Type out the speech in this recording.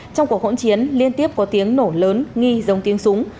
trong cuộc hỗn chiến liên tiếp có tiếng nổ lớn nghi giống tiếng súng